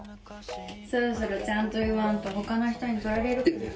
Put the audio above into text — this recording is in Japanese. そろそろちゃんと言わんと他の人に取られるかもね。